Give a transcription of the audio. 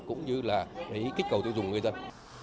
cũng như là kích cầu tiêu dùng người dân